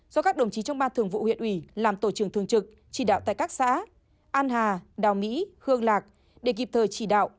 do các đồng chí trong ban thường vụ huyện ủy làm tổ trưởng thường trực chỉ đạo tại các xã an hà đào mỹ hương lạc để kịp thời chỉ đạo